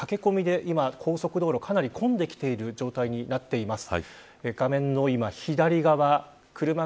ということで駆け込みで今高速道路かなり混んできている状態になっています。